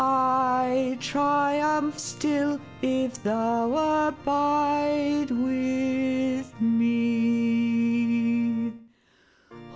I triumph still, if thou abide with me.